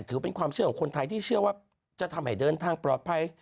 ถือเป็นความเชื่อของคนไทยที่เชื่อว่าจะทำให้เดินทางปลอดภัย